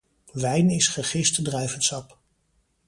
Wijn is gegist druivensap.